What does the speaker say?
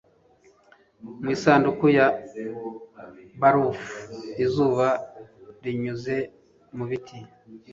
mu isanduku ya barafu izuba rinyuze mu biti